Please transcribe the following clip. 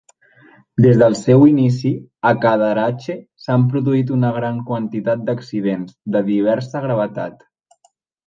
Des del seu inici, a Cadarache s'han produït una gran quantitat d'accidents, de diversa gravetat.